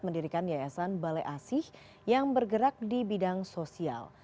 mendirikan yayasan balai asih yang bergerak di bidang sosial